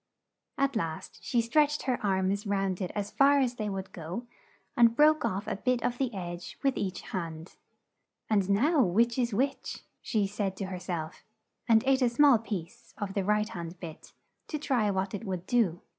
At last she stretched her arms round it as far as they would go, and broke off a bit of the edge with each hand. "And now which is which?" she said to her self, and ate a small piece of the right hand bit, to try what it would do.